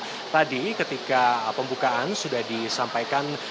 jadi tadi ketika pembukaan sudah disampaikan